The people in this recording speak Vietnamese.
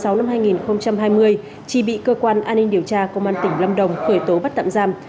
vào ngày hai mươi ba tháng sáu năm hai nghìn hai mươi tri bị cơ quan an ninh điều tra công an tỉnh lâm đồng khởi tố bắt tạm giam